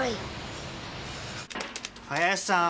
林さん